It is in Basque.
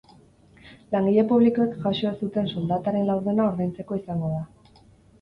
Langile publikoek jaso ez zuten soldataren laurdena ordaintzeko izango da.